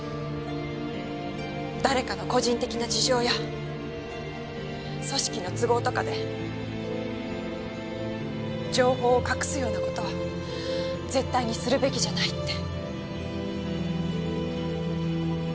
誰かの個人的な事情や組織の都合とかで情報を隠すような事は絶対にするべきじゃないって。